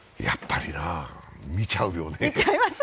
やっぱり見ちゃうよね。